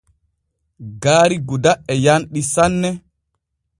Gaari Gouda e yanɗi sanne.